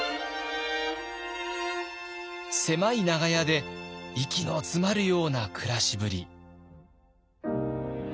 狭い長屋で息の詰まるような暮らしぶり。